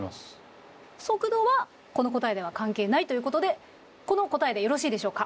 速度はこの答えでは関係ないということでこの答えでよろしいでしょうか？